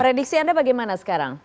prediksi anda bagaimana sekarang